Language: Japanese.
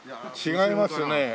違いますね。